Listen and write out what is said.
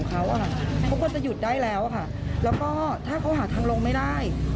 เขาก็จะหยุดได้แล้วค่ะแล้วก็ถ้าเขาหาทางลงไม่ได้